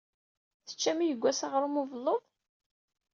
Teččam yewwas aɣṛum n ubelluḍ?